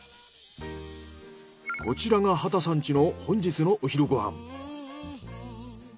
こちらが畑さん家の本日のお昼ご飯。